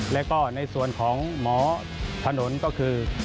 แล้วก็ในส่วนของหมอถนนก็คือ